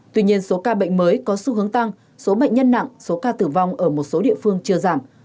tuy nhiên số ca bệnh mới có xu hướng tăng số bệnh nhân nặng số ca tử vong ở một số địa phương chưa giảm